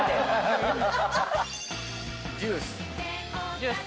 ジュース。